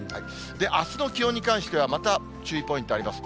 あすの気温に関しては、また注意ポイントあります。